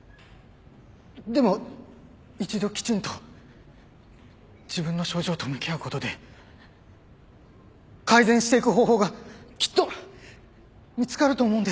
でも一度きちんと自分の症状と向き合うことで改善していく方法がきっと見つかると思うんです。